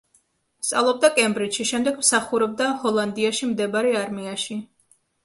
სწავლობდა კემბრიჯში, შემდეგ მსახურობდა ჰოლანდიაში მდებარე არმიაში.